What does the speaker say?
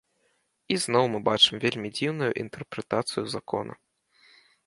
І зноў мы бачым вельмі дзіўную інтэрпрэтацыю закона.